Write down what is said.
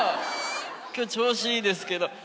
今日調子いいですけど。